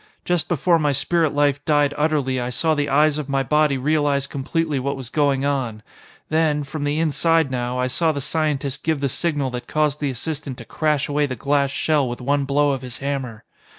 Just before my spirit life died utterly I saw the eyes of my body realize completely what was going on, then from the inside now I saw the scientist give the signal that caused the assistant to crash away the glass shell with one blow of his hammer.